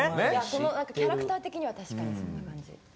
キャラクター的には確かにそんな感じ。